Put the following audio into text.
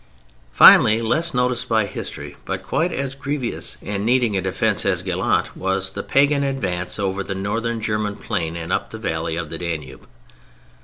Finally, less noticed by history, but quite as grievous, and needing a defence as gallant, was the pagan advance over the North German Plain and up the valley of the Danube.